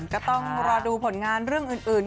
ก็ต้องรอดูผลงานเรื่องอื่น